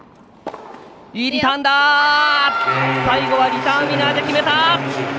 最後はリターンウィナーで決めた！